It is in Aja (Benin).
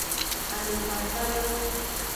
Ame fafa yo.